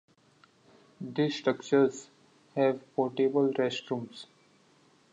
These structures have portable restrooms.